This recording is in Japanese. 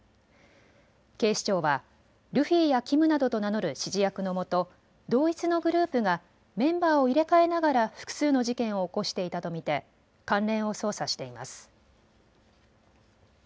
警視庁はルフィやキムなどと名乗る指示役のもと同一のグループがメンバーを入れ替えながら複数の事件を起こしていたと見て関連を捜査しています。